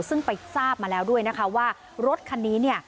ซึ่งไปทราบมาแล้วด้วยนะคะว่ารถคันนี้เนี่ย